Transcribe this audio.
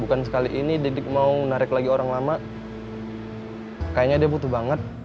bukan sekali ini didik mau menarik lagi orang lama kayaknya dia butuh banget